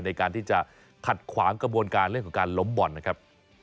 ในการที่จะขัดขวางกระบวนการเรื่องของการล้มบ่อนนะครับ